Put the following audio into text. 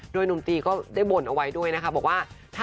โดยหนุ่มตีก็ได้บ่นเอาไว้ด้วยนะคะบอกว่า